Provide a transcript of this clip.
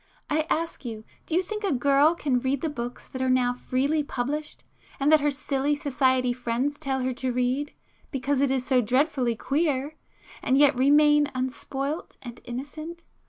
I ask you, do you think a girl can read the books that are now freely published, and that her silly society friends tell her to read,—'because it is so dreadfully queer!'—and yet remain unspoilt and innocent?